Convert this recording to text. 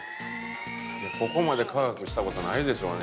ここまで科学したことないでしょうね